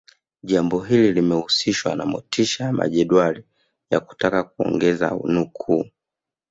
Jambo hili limehusishwa na motisha ya majedwali ya kutaka kuongeza nukuu